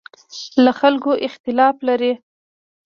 له خلکو اختلاف لري.